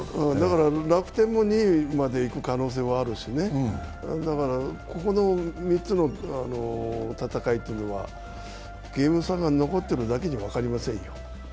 楽天も２位までいく可能性はあるしね、ここの３つの戦いというのはゲーム差が残っているだけに分かりませんよ。